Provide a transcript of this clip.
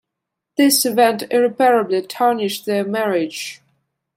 This event irreparably tarnished their marriage.